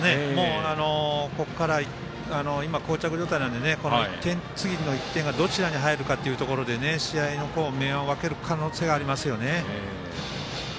ここから今、こう着状態なので次の１点がどちらに入るかというところで試合の明暗を分ける可能性がありますよね。